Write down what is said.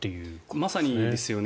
まさにですよね。